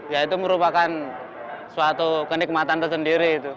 ya itu merupakan suatu kenikmatan tersendiri